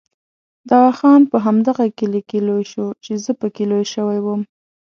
دوا خان په هماغه کلي کې لوی شو چې زه پکې لوی شوی وم.